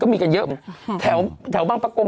ก็มีกันเยอะแถวบ้างปักเกิง